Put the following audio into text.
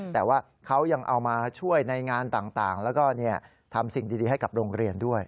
แต่ว่าเขายังเอามาช่วยในงานต่างแล้วก็ทำสิ่งดีให้กับโรงเรียนด้วย